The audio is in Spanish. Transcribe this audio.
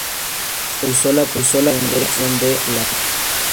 Se usó la proyección de Lambert.